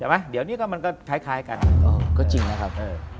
ไหมเดี๋ยวนี้ก็มันก็คล้ายกันก็จริงนะครับ